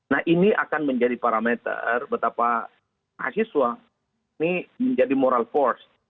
nah ini akan menjadi parameter betapa mahasiswa ini menjadi moral force